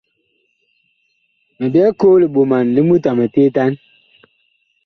Mi byɛɛ koo li ɓoman li mut a miteetan.